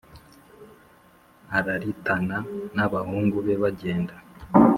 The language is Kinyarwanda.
araritana n’abahungu be bagenda